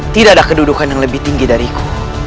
tidak ada kedudukan yang lebih tinggi dariku